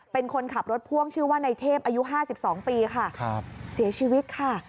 เป็นคนขับรถพ่วงชื่อว่าในเทพอายุ๕๒ปีค่ะเสียชีวิตค่ะ